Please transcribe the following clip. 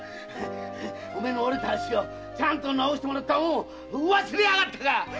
お前の折れた脚をちゃんと治してもらった恩を忘れやがったか！